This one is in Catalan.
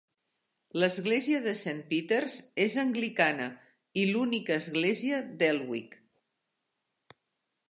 L'església de Saint Peters és anglicana i l 'única església d'Elwick.